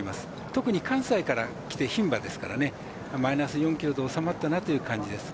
特に関西から来て牝馬ですからマイナス４ｋｇで収まったなという感じです。